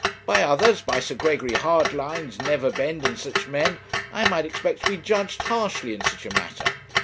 By others, by Sir Gregory Hardlines, Neverbend, and such men, I might expect to be judged harshly in such a matter.